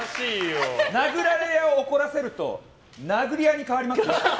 殴られ屋を怒らせると殴り屋に変わりますから。